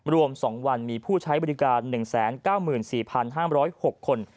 รวม๒วันมีผู้ใช้บริการ๑๙๔๕๐๖คน